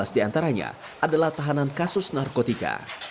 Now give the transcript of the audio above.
lima belas di antaranya adalah tahanan kasus narkotika